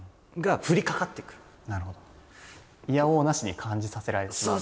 いやおうなしに感じさせられてしまう。